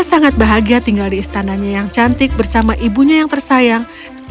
sangat bahagia tinggal di istananya yang cantik bersama ibunya yang tersayang